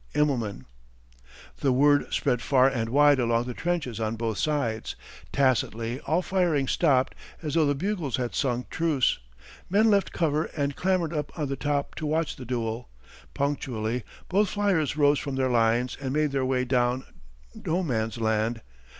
IMMELMAN. The word spread far and wide along the trenches on both sides. Tacitly all firing stopped as though the bugles had sung truce. Men left cover and clambered up on the top to watch the duel. Punctually both flyers rose from their lines and made their way down No Man's Land.